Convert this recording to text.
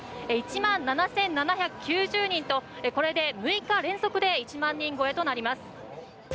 １万７７９０人とこれで６日連続で１万人超えとなります。